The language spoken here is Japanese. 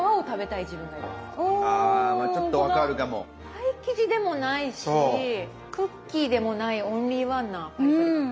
パイ生地でもないしクッキーでもないオンリーワンなパリパリ感。